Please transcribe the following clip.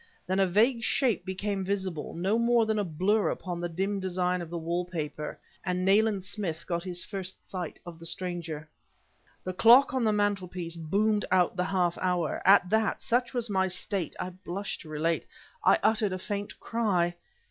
Then a vague shape became visible; no more than a blur upon the dim design of the wall paper... and Nayland Smith got his first sight of the stranger. The clock on the mantelpiece boomed out the half hour. At that, such was my state (I blush to relate it) I uttered a faint cry!